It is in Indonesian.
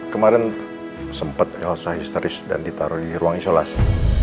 kemarin sempat selesai histeris dan ditaruh di ruang isolasi